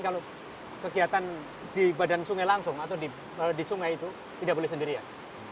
kalau kegiatan di badan sungai langsung atau di sungai itu tidak boleh sendirian